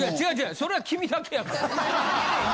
それは君だけやから。